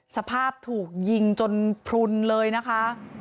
สภาพถูกยิงจนพลุนเลยนะคะ